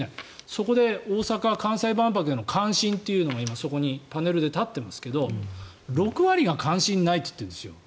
そこで大阪・関西万博への関心というのが今、そこにパネルで立ってますけど６割が関心ないと言ってるんですよ。